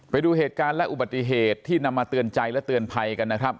ไปดูเหตุการณ์และอุบัติเหตุที่นำมาเตือนใจและเตือนภัยกันนะครับ